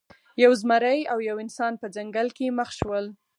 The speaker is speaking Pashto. یو زمری او یو انسان په ځنګل کې مخ شول.